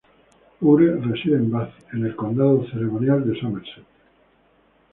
Ure reside en Bath, en el condado ceremonial de Somerset.